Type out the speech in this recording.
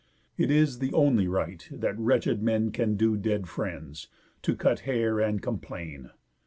It is the only rite that wretched men Can do dead friends, to cut hair, and complain.